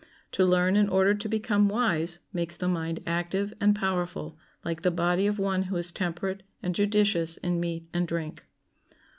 To learn in order to become wise makes the mind active and powerful, like the body of one who is temperate and judicious in meat and drink.